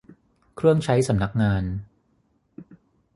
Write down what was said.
เครื่องใช้สำนักงาน